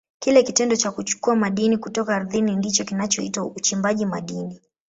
Kile kitendo cha kuchukua madini kutoka ardhini ndicho kinachoitwa uchimbaji madini.